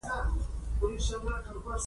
تر کومه چې د ملي ګټو په اړه